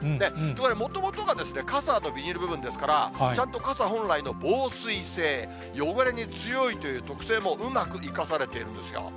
もともとが、傘のビニール部分ですから、ちゃんと傘本来の防水性、汚れに強いという特性もうまく生かされているんですよ。